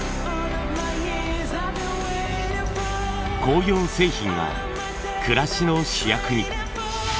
工業製品が暮らしの主役に！